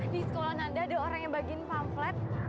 di sekolah nanda ada orang yang bagiin pamplet